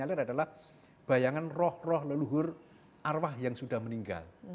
yang lain adalah bayangan roh roh leluhur arwah yang sudah meninggal